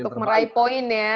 untuk meraih poin ya